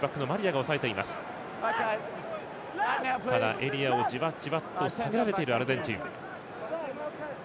エリアをじわじわと下げられているアルゼンチン。